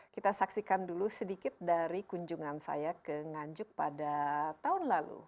kita saksikan dulu sedikit dari kunjungan saya ke nganjuk pada tahun lalu